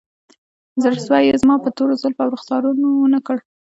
زړسوی یې زما په تورو زلفو او رخسار ونه کړ